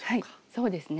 そうですね。